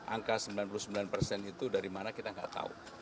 angka sembilan puluh sembilan persen itu dari mana kita nggak tahu